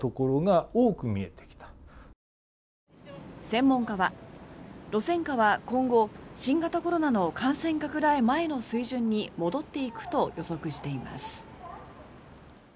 専門家は路線価は今後新型コロナの感染拡大前の水準に戻っていくと予測しています。